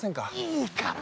いいから！